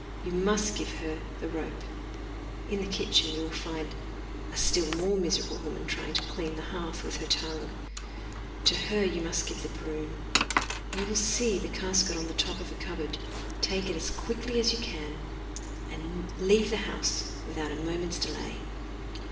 You must give her the rope. In the kitchen you will find a still more miserable woman trying to clean the hearth with her tongue; to her you must give the broom. You will see the casket on the top of a cupboard, take it as quickly as you can, and leave the house without a moment's delay.